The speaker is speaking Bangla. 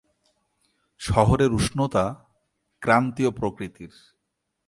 শহরের উষ্ণতা ক্রান্তীয় প্রকৃতির।